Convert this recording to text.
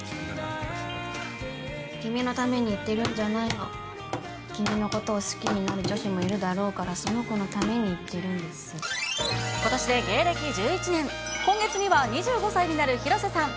君のために言ってるんじゃないの、君のことを好きになる女子もいるだろうから、ことしで芸歴１１年、今月には２５歳になる広瀬さん。